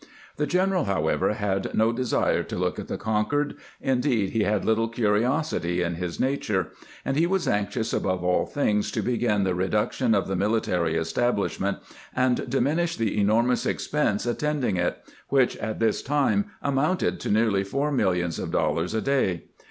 The general, however, had no desire to look at the con quered, — indeed, he had little curiosity in his nature, — and he was anxious above aU things to begin the re duction of the military establishmeiit, and diminish the enormous expense attending it, which at this time amounted to nearly four millions of dollars a day.